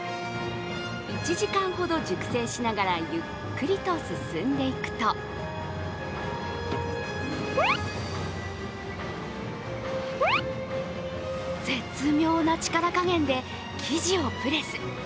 １時間ほど熟成しながらゆっくりと進んでいくと絶妙な力加減で生地をプレス。